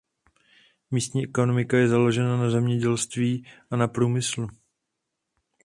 Místní ekonomika je založena na zemědělství a na průmyslu.